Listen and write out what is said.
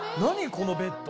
このベッド。